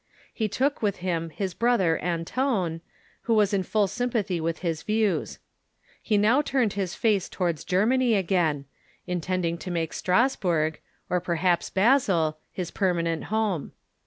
He took with him his brother An ton, who Avas in full sympathy with his views. He now turned his face towards Germany again, intending to make Stras burg, or perhaps Basel, his permanent home.